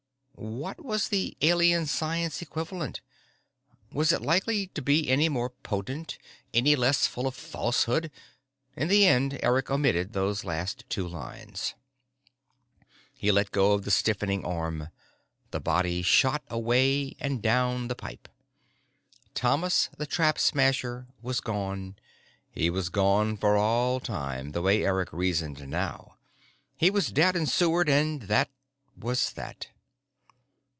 What was the Alien science equivalent? Was it likely to be any more potent, any less full of falsehood? In the end, Eric omitted those last two lines. He let go of the stiffening arm. The body shot away and down the pipe. Thomas the Trap Smasher was gone, he was gone for all time, the way Eric reasoned now. He was dead and sewered, and that was that.